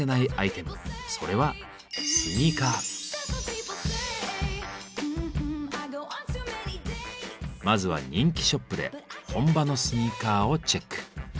それはまずは人気ショップで本場のスニーカーをチェック。